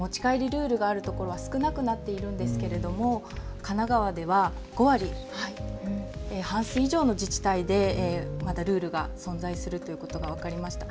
ルールがあるところは少なくなっているんですが神奈川では５割、半数以上の自治体でまだルールが存在するということが分かりました。